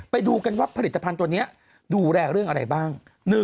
ไปดูกันว่าผลิตภัณฑ์ตัวนี้ดูแลเรื่องอะไรบ้าง